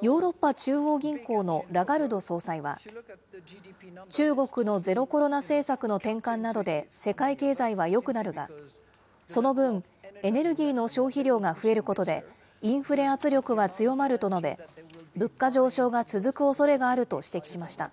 ヨーロッパ中央銀行のラガルド総裁は、中国のゼロコロナ政策の転換などで世界経済はよくなるが、その分、エネルギーの消費量が増えることで、インフレ圧力は強まると述べ、物価上昇が続くおそれがあると指摘しました。